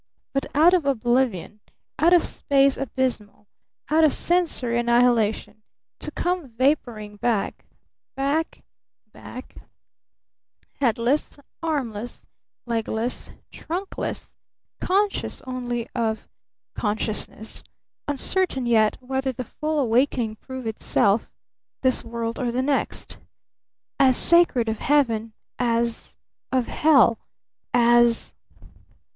But out of oblivion, out of space abysmal, out of sensory annihilation, to come vaporing back, back, back, headless, armless, legless, trunkless, conscious only of consciousness, uncertain yet whether the full awakening prove itself this world or the next! As sacred of Heaven as of hell! As